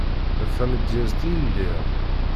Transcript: D tamedyazt i lliɣ.